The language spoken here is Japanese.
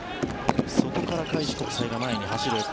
そこから開志国際が前に走る。